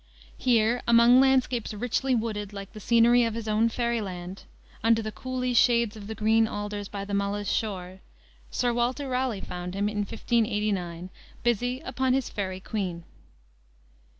Here, among landscapes richly wooded, like the scenery of his own fairy land, "under the cooly shades of the green alders by the Mulla's shore," Sir Walter Raleigh found him, in 1589, busy upon his Faery Queene.